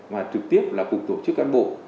và trực tiếp là cục tổ chức cản bộ